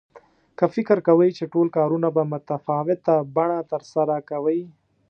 که فکر کوئ چې ټول کارونه په متفاوته بڼه ترسره کوئ.